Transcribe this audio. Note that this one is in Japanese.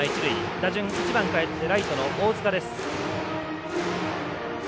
打順１番かえってライトの大塚です。